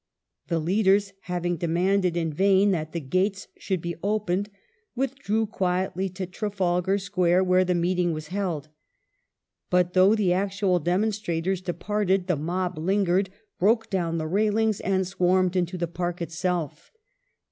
The leaders, having demanded in vain that the gates should be opened, withdrew quietly to Trafalgar Square where the meeting was held. But, though the actual demonstrators departed, the mob lingered, broke down the railings, and swarmed into the Park itself.